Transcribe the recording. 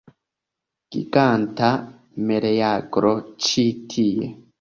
Giganta meleagro ĉi tie!